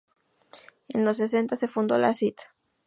En los sesenta se fundó la St.